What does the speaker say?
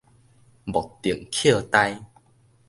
目瞪口呆